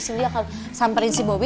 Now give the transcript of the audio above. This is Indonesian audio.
cindy akan samperin si bobby